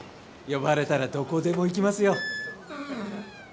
呼ばれたらどこでも行きますよ。